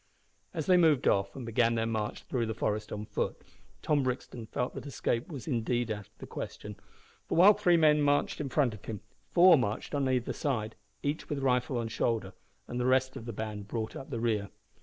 As they moved off and began their march through the forest on foot, Tom Brixton felt that escape was indeed out of the question, for, while three men marched in front of him, four marched on either side, each with rifle on shoulder, and the rest of the band brought up the rear.